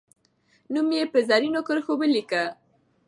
نوم یې په زرینو کرښو ولیکه.